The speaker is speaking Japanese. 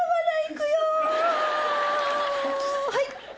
はい！